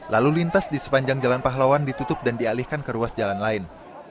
lalu lintas di sepanjang jalan pahlawan ditutup dan dialihkan ke ruas jalan lain